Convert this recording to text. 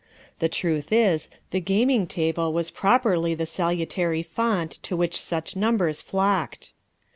The truth is, the gaming table was properly the salutary font to which such numbers flocked.